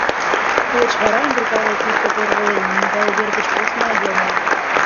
Тулеч вара Андри Павыл пуйто порволен, нимогай увер деч йосна йомо.